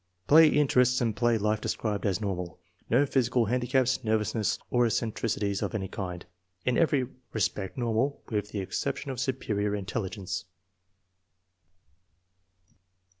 Play interests and play life described as normal. No physical handicaps, nervousness, or eccentricities of any kind. " In every respect normal with the excep tion of superior intelligence."